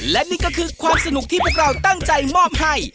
และนี่ก็คือความสนุกที่พวกเราตั้งใจมอบให้